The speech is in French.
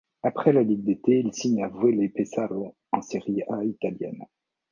Après la ligue d'été, il signe avec Vuelle Pesaro en Serie A italienne.